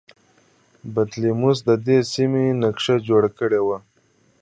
بطلیموس د دې سیمې نقشه جوړه کړې وه